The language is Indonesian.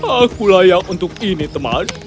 aku layak untuk ini teman